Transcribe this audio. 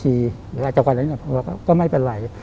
หรือลายจากวันนี้ก็ไม่เป็นไร